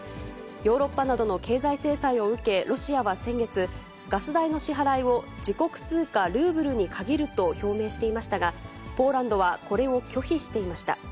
ヨーロッパなどの経済制裁を受け、ロシアは先月、ガス代の支払いを、自国通貨ルーブルに限ると表明していましたが、ポーランドはこれを拒否していました。